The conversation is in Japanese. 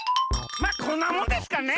まっこんなもんですかね。